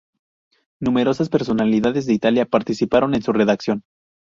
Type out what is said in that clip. Numerosas personalidades de Italia participaron en su redacción.